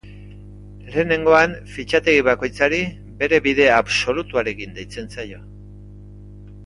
Lehenengoan fitxategi bakoitzari bere bide absolutuarekin deitzen zaio.